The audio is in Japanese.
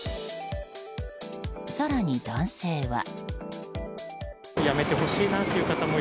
更に男性は。